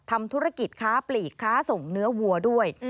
ทำธุรกิจค้าปลีกค้าส่งเนื้อวัวด้วย